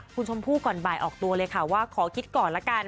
คุณชมพู่ก่อนบ่ายออกตัวเลยค่ะว่าขอคิดก่อนละกัน